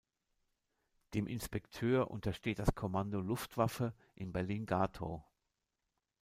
Dem Inspekteur untersteht das Kommando Luftwaffe in Berlin-Gatow.